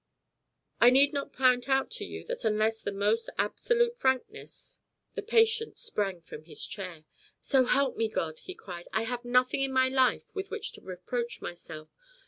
"I need not point out to you that unless the most absolute frankness " The patient sprang from his chair. "So help me God!" he cried, "I have nothing in my life with which to reproach myself.